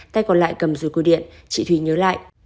tay còn lại cầm rủi quy điện chị thúy nhớ lại